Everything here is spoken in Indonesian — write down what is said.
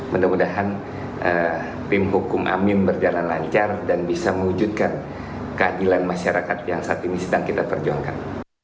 mudah mudahan tim hukum amin berjalan lancar dan bisa mewujudkan keadilan masyarakat yang saat ini sedang kita perjuangkan